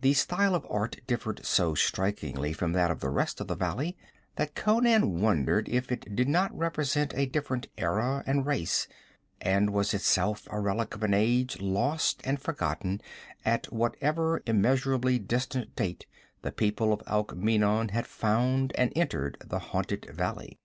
The style of art differed so strikingly from that of the rest of the valley, that Conan wondered if it did not represent a different era and race, and was itself a relic of an age lost and forgotten at whatever immeasurably distant date the people of Alkmeenon had found and entered the haunted valley.